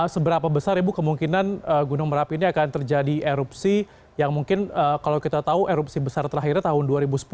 seberapa besar ibu kemungkinan gunung merapi ini akan terjadi erupsi yang mungkin kalau kita tahu erupsi besar terakhirnya tahun dua ribu sepuluh